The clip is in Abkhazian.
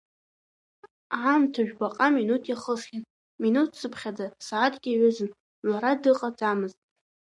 Аамҭа жәбаҟа минуҭ иахысхьан, минуҭцԥхьаӡа сааҭк иаҩызан, лара дыҟаӡамызт.